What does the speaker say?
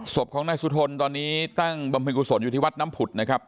ศพของนายสุธนตอนนี้ตั้งบำเพ็ญกุศลอยู่ที่วัดน้ำผุดนะครับ